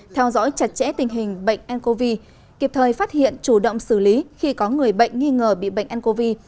theo dõi chặt chẽ tình hình bệnh ncov kịp thời phát hiện chủ động xử lý khi có người bệnh nghi ngờ bị bệnh ncov